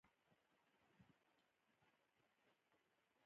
یو سړي یو زمری ونیو.